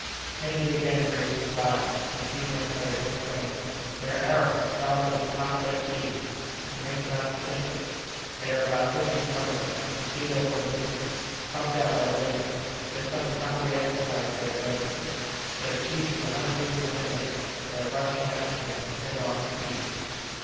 Kennedy again raised his glass, and a few minutes later he exclaimed: "They are Arabs, galloping at the top of their speed; I can make them out distinctly. They are about fifty in number. I can see their bournouses puffed out by the wind. It is some cavalry exercise that they are going through. Their chief is a hundred paces ahead of them and they are rushing after him at headlong speed."